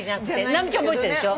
直美ちゃん覚えてるでしょ？